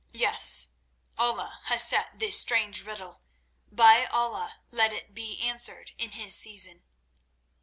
Yes, Allah has set this strange riddle; by Allah let it be answered in His season."